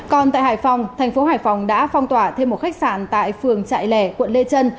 còn tại hải phòng tp hcm đã phong tỏa thêm một khách sạn tại phường trại lẻ quận lê trân